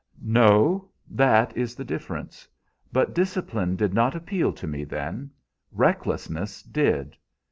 "No, that is the difference; but discipline did not appeal to me then; recklessness did.